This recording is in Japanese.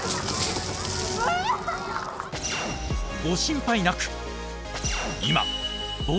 ご心配なく！